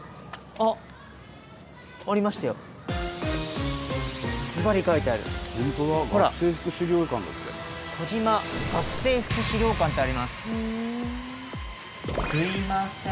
あっすいません。